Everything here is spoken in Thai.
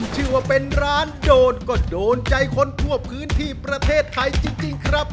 ชื่อว่าเป็นร้านโดนก็โดนใจคนทั่วพื้นที่ประเทศไทยจริงครับ